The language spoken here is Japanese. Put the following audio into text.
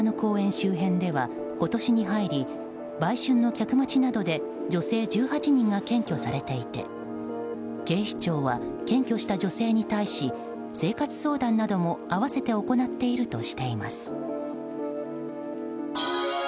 周辺では今年に入り売春の客待ちなどで女性１８人が検挙されていて警視庁は検挙した女性に対し生活相談なども併せて行っているとしています。